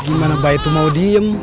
eh gimana bayi tu mau diem